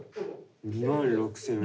２万６４００円。